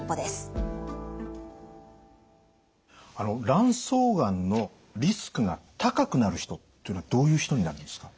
卵巣がんのリスクが高くなる人っていうのはどういう人になるんですか？